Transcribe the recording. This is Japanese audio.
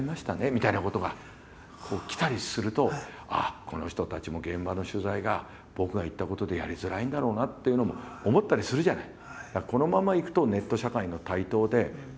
みたいなことが来たりするとあっこの人たちも現場の取材が僕が言ったことでやりづらいんだろうなっていうのも思ったりするじゃない。